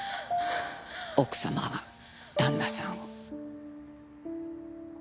奥様が旦那さんを。